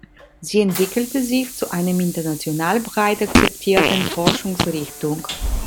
Sie entwickelte sich zu einem international breit akzeptierten Forschungsrichtung.